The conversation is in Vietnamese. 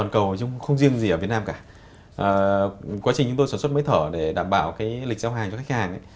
quá riêng gì ở việt nam cả quá trình chúng tôi sản xuất máy thở để đảm bảo cái lịch giao hàng cho khách hàng